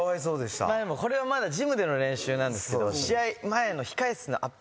でもこれはまだジムでの練習なんですけど試合前の。